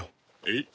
えっ？